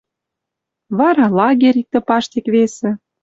Вара лагерь иктӹ паштек весӹ.